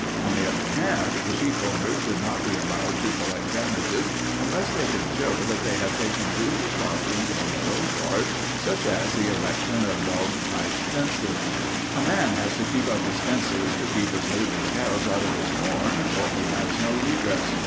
On the other hand, the sheep owners should not be allowed to collect damages unless they can show that they have taken due precautions on their own part, such as the erection of dog tight fences. A man has to keep up his fences to keep his neighbor's cows out of his corn, or he has no redress.